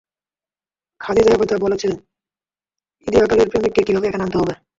খাদিজা একথা বলেছে ইদয়াকালের প্রেমিককে কীভাবে এখানে আনতে হবে?